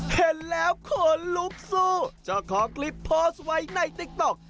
เห็นแล้วขนลุกสู้เจ้าของคลิปโพสต์ไว้ในติ๊กต๊อก